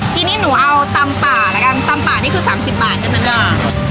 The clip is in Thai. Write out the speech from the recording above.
ทีนี้หนูเอาตำป่าละกันตำป่านี่คือ๓๐บาทใช่ไหมจ้ะ